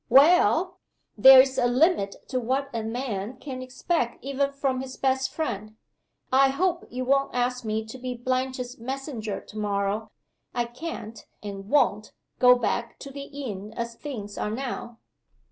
"Well there's a limit to what a man can expect even from his best friend. I hope you won't ask me to be Blanche's messenger to morrow. I can't, and won't, go back to the inn as things are now."